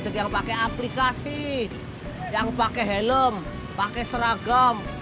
jadi yang pakai aplikasi yang pakai helm pakai seragam